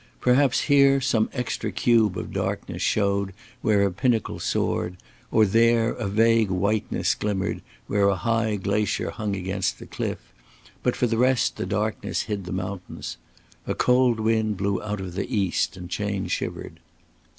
Perhaps here some extra cube of darkness showed where a pinnacle soared, or there a vague whiteness glimmered where a high glacier hung against the cliff, but for the rest the darkness hid the mountains. A cold wind blew out of the East and Chayne shivered.